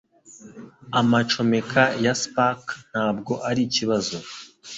Amacomeka ya spark ntabwo arikibazo